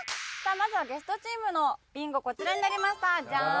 まずはゲストチームのビンゴこちらになりましたジャーン。